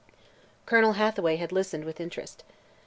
Colonel Hathaway had listened with interest.